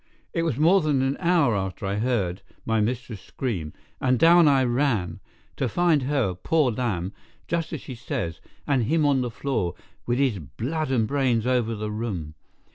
It was more than an hour after that I heard my mistress scream, and down I ran, to find her, poor lamb, just as she says, and him on the floor, with his blood and brains over the room.